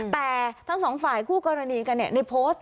แต่ทั้งสองฝ่ายคู่กรณีกันในโพสต์